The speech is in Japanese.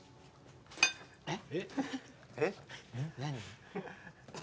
・えっ！？